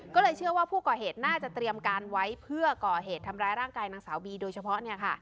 ก็เลยเชื่อว่าผู้ก่อเหตุน่าจะเตรียมการไว้เพื่อก่อเหตุทำร้ายร่างกายนางสาวบีโดยเฉพาะเนี่ยค่ะ